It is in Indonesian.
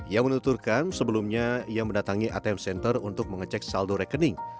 ia menuturkan sebelumnya ia mendatangi atm center untuk mengecek saldo rekening